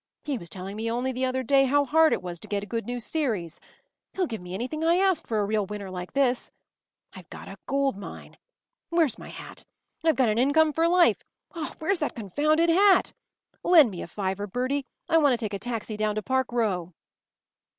He was telling me only the other day how hard it was to get a good new series. He’ll give me anything I ask for a real winner like this. I’ve got a gold mine. Where’s my hat? I’ve got an income for life! Where’s that confounded hat? Lend me a fiver, Bertie. I want to take a taxi down to Park Row!